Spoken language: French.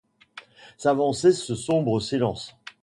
S'avancer ce sombre silence